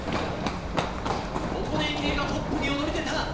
ここで池江がトップに躍り出た！